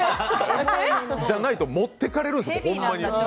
じゃないと持ってかれるんですよホンマに。